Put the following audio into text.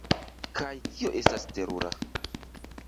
Kaj tio estas terura!